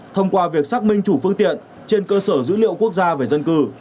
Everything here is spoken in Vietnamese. thông qua việc xác minh chủ phương tiện trên cơ sở dữ liệu quốc gia về dân cư